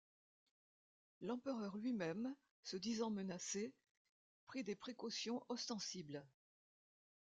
L'empereur lui-même, se disant menacé, prit des précautions ostensibles.